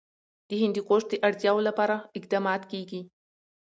د هندوکش د اړتیاوو لپاره اقدامات کېږي.